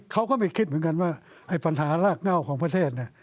เขาก็ไม่คิดเหมือนกันว่าไอ้ปัญหารากเง่าของประเทศเนี่ย